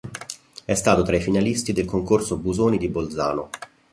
È stato tra i finalisti del Concorso Busoni di Bolzano.